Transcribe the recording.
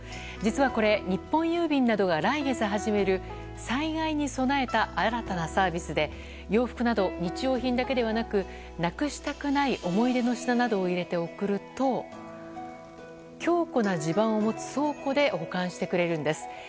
実は、これ日本郵便などが来月始める災害に備えた新たなサービスで洋服など日用品だけではなくなくしたくない思い出の品などを入れて送ると強固な地盤を持つ倉庫で保管してくれるんです。